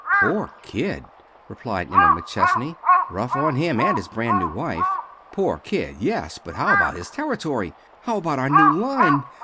"Poor kid," replied Emma McChesney. "Rough on him and his brand new wife." "Poor kid! Yes. But how about his territory? How about our new line?